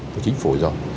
của chính phủ rồi